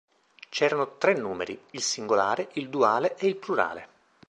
C'erano "tre numeri", il singolare, il duale ed il plurale.